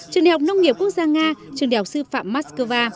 trường đại học nông nghiệp quốc gia nga trường đại học sư phạm moscow